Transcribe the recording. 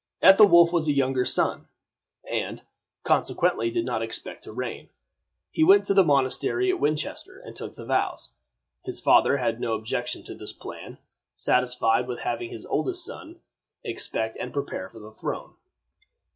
Ethelwolf was a younger son, and, consequently, did not expect to reign. He went to the monastery at Winchester, and took the vows. His father had no objection to this plan, satisfied with having his oldest son expect and prepare for the throne.